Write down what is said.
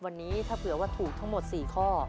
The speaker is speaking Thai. วันนี้ถ้าเผื่อว่าถูกทั้งหมด๔ข้อ